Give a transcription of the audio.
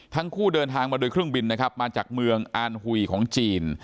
ทั้งคู่เดินทางมาโดยเครื่องบินนะครับมาจากเมืองอานหุยของจีน